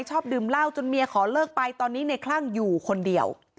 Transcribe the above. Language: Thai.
ชอบดื่มเหล้าจนเมียขอเลิกไปตอนนี้ในคลั่งอยู่คนเดียว